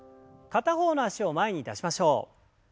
片方の脚を前に出しましょう。